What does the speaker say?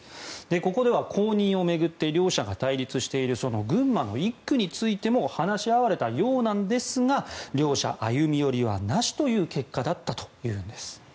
ここでは公認を巡って両者が対立している群馬の１区についても話し合われたようなんですが両者、歩み寄りはなしという結果だったというんです。